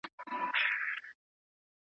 اخلاق د ټولني لپاره ډېر مهم دي.